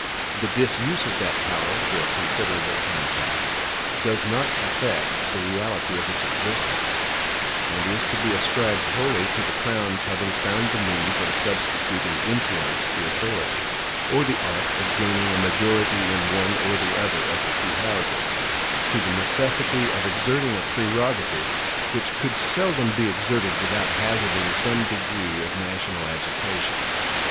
The disuse of that power for a considerable time past does not affect the reality of its existence; and is to be ascribed wholly to the crown's having found the means of substituting influence to authority, or the art of gaining a majority in one or the other of the two houses, to the necessity of exerting a prerogative which could seldom be exerted without hazarding some degree of national agitation.